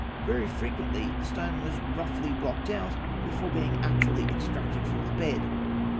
Very frequently the stone was roughly blocked out before being actually extracted from the bed.